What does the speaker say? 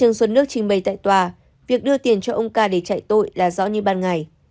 trương xuân nước trình bày tại tòa việc đưa tiền cho ông ca để chạy tội là rõ như ban ngày